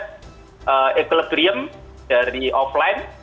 ya jadi kita sudah melakukan proses yang lebih eklegri dari offline